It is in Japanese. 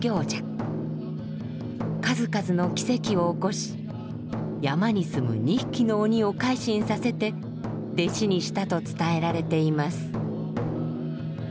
数々の奇跡を起こし山に住む２匹の鬼を改心させて弟子にしたと伝えられています。